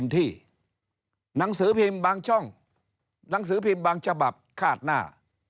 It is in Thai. ที่หนังสือพิมพ์บางช่องหนังสือพิมพ์บางฉบับคาดหน้า